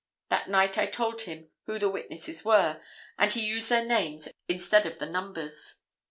That night I told him who the witnesses were and he used their names instead of the numbers.